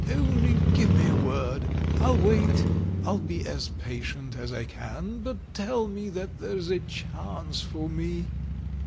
Only give me a word — I'll wait. I'll be as patient as I can, but tell me that there's a chance for me."